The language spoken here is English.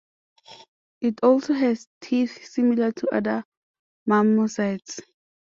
It also has teeth similar to other marmosets.